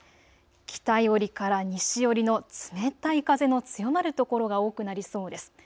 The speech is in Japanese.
北寄りから西寄りの冷たい風の強まる所が多くなりそうです。